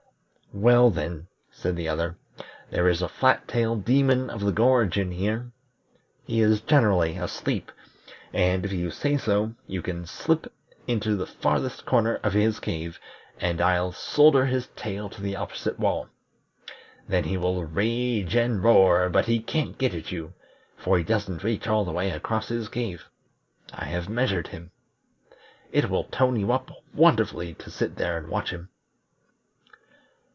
"Well then," said other, "there is a flat tailed Demon of the Gorge in here. He is generally asleep, and, if you say so, you can slip into the farthest corner of his cave, and I'll solder his tail to the opposite wall. Then he will rage and roar, but he can't get at you, for he doesn't reach all the way across his cave; I have measured him. It will tone you up wonderfully to sit there and watch him."